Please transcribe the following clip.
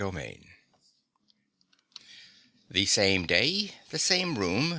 ACT II The same day. The same room.